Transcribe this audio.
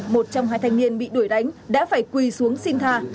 một trong hai thanh niên bị đuổi đánh đã phải quỳ xuống xin tha